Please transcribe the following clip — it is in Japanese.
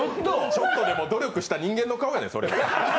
ちょっとでも努力した人間の顔かね、それが。